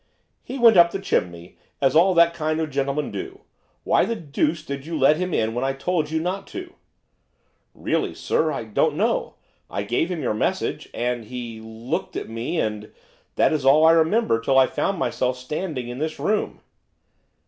'He went up the chimney, as all that kind of gentlemen do. Why the deuce did you let him in when I told you not to?' 'Really, sir, I don't know. I gave him your message, and he looked at me, and that is all I remember till I found myself standing in this room.